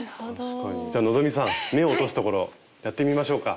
じゃあ希さん目を落とすところやってみましょうか。